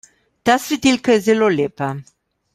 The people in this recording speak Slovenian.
Ta svetilka je zelo lepa.